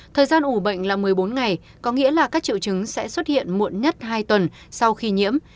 thời gian ủ bệnh là một mươi bốn ngày có nghĩa là các triệu chứng sẽ xuất hiện muộn nhất hai tuần sau khi nhiễm